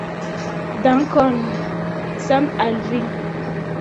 Dankon, same al vi!